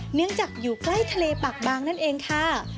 เนื่องจากอยู่ใกล้ทะเลปากบางนั่นเองค่ะ